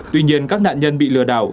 tuy nhiên các nạn nhân bị lừa đảo